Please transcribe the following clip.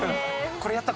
これやった？